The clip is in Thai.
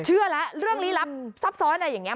เชื่อแล้วเรื่องลี้ลับซับซ้อนอะไรอย่างนี้